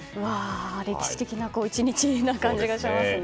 歴史的な１日な感じがしますね。